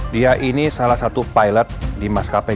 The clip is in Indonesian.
dia ini salah satu pilot di maskapai